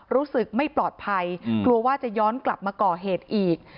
รู้สึกไม่ปลอดภัยกลัวว่าจะย้อนกลับมาก่อเหตุอีก